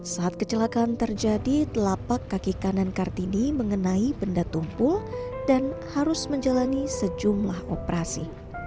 saat kecelakaan terjadi telapak kaki kanan kartini mengenai benda tumpul dan harus menjalani sejumlah operasi